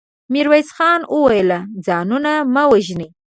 ميرويس خان وويل: ځانونه مه وژنئ.